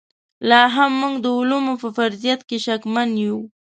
لاهم موږ د علومو په فرضیت کې شکمن یو.